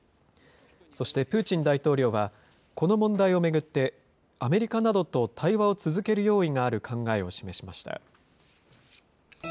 そしてプーチン大統領は、この問題を巡って、アメリカなどと対話を続ける用意がある考えを示しました。